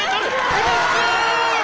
フィニッシュ！